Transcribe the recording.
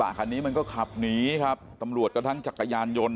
คันนี้มันก็ขับหนีครับตำรวจก็ทั้งจักรยานยนต์